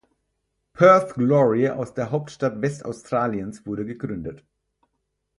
Perth Glory aus der Hauptstadt Westaustraliens wurde gegründet.